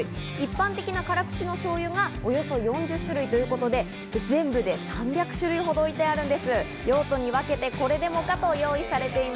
一般的な辛口醤油がおよそ４０種類ということで、全部で３００種類ほど置いてあるんです。